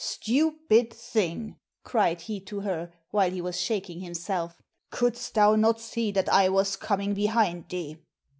"Stupid thing," cried he to her, while he was shaking himself, "couldst thou not see that I was coming behind thee?"